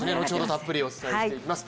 たっぷりお伝えしていきます。